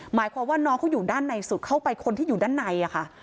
หมายความว่าน้องเขาอยู่ด้านในสุดเข้าไปคนที่อยู่ด้านในอะค่ะ